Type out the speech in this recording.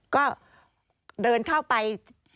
ก็เดินเข้าไป